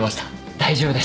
大丈夫です。